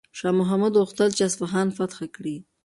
شاه محمود غوښتل چې اصفهان فتح کړي.